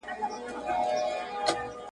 که هوس دئ، نو دي بس دئ.